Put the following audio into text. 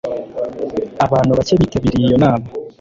abantu bake bitabiriye iyo nama